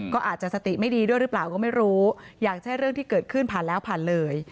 ก็อาจจะสติไม่ดีด้วยหรือเปล่าก็ไม่รู้อยากใช่เรื่องที่เกิดขึ้นผ่านแล้วผ่านเลย